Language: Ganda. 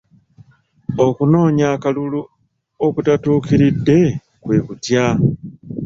Okunoonya akalulu okutatuukiridde kwe kutya?